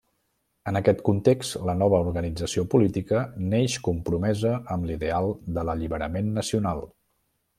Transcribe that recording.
En aquest context la nova organització política neix compromesa amb l'ideal de l'alliberament nacional.